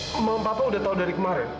mama dan papa sudah tahu dari kemarin